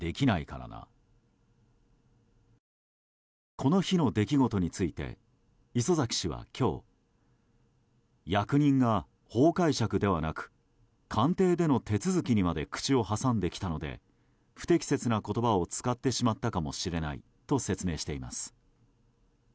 この日の出来事について礒崎氏は今日役人が法解釈だけでなく官邸での手続きにも口を挟んできたので不適切な言葉を使ってしまったかもしれないと説明しています。